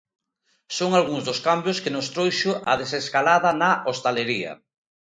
Son algúns dos cambios que nos trouxo a desescalada na hostalería.